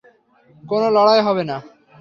কোনো লড়াই হবে না।